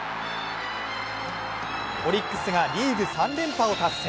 オリックスがリーグ３連覇を達成。